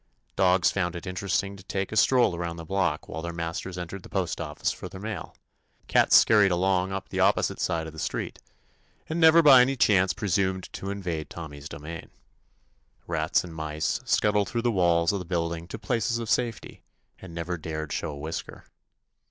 Dogs found it interesting to take a stroll around the block while their masters entered the postoffice for their mail. Cats scurried along upon the 117 THE ADVENTURES OF opposite side of the street, and never by any chance presumed to invade Tommy's domain. Rats and mice scuttled through the walls of the building to places of safety, and never dared show a whisker.